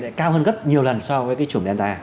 đã cao hơn rất nhiều lần so với cái chủng delta